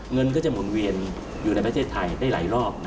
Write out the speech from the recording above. เงินก็จะหมุนเวียนอยู่ในประเทศไทยได้หลายรอบ